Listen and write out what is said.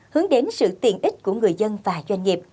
hướng đến sự tiện ích của người dân và doanh nghiệp